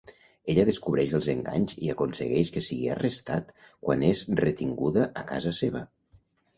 Ella descobreix els enganys i aconsegueix que sigui arrestat quan és retinguda a casa seva.